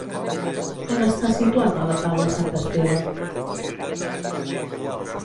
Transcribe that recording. On està situat en la taula sant Esteve?